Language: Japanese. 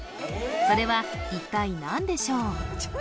それは一体何でしょう？